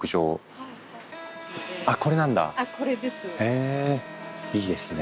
へぇいいですね。